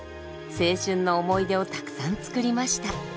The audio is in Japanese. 青春の思い出をたくさんつくりました。